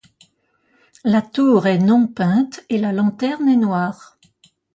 La tour est non peinte et la lanterne est noire.